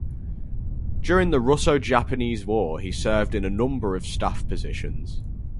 During the Russo-Japanese War, he served in a number of staff positions.